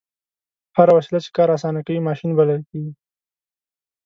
هره وسیله چې کار اسانه کوي ماشین بلل کیږي.